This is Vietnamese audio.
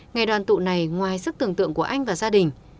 ngày đoàn tụ này ngoài sức tưởng tượng của anh và gia đình